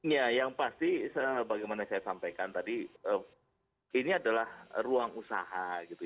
ya yang pasti bagaimana saya sampaikan tadi ini adalah ruang usaha gitu